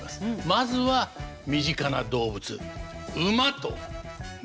まずは身近な動物馬とねずみ。